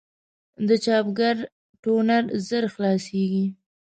د چاپګر ټونر ژر خلاصېږي.